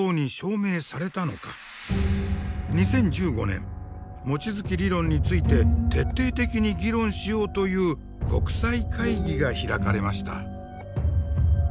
２０１５年望月理論について徹底的に議論しようという国際会議が開かれました。